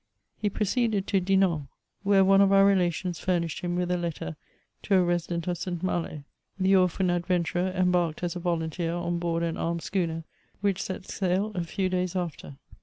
He proceeded to Dinan, where one of our relations furnished him with a letter to a resident of St. Malo. The orphan adventurer embarked as a volunteer on board an armed schooner, which set sail a few days after.